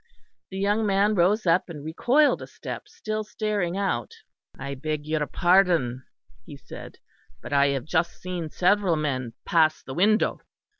The young man rose up and recoiled a step, still staring out. "I beg your pardon," he said, "but I have just seen several men pass the window."